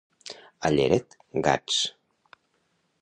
A Lleret, gats.